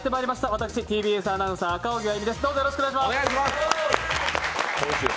私、ＴＢＳアナウンサー、赤荻歩です。